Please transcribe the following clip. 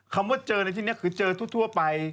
คำว่าเจอในที่นี้คือเจอทั่วไป